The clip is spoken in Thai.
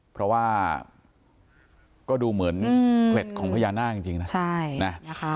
เพราะว่าก็ดูเหมือนเกล็ดของพญานาคจริงนะ